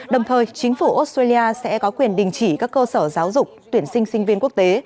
đồng thời chính phủ australia sẽ có quyền đình chỉ các cơ sở giáo dục tuyển sinh sinh viên quốc tế